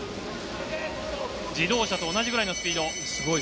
自動車と同じぐらいのスピード。